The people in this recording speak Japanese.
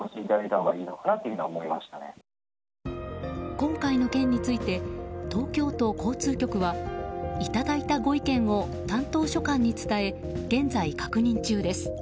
今回の件について東京都交通局はいただいたご意見を担当所管に伝え現在確認中です。